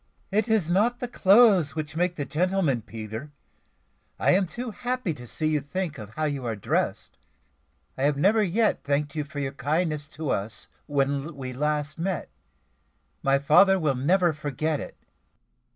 "It is not the clothes which make the gentleman, Peter. I am too happy to see you to think of how you are dressed. I have never yet thanked you for your kindness to us when we last met. My father will never forget it."